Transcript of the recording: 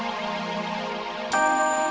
apalagi yang duk menomong